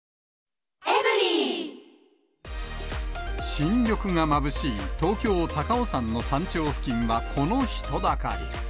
新緑がまぶしい東京・高尾山の山頂付近はこの人だかり。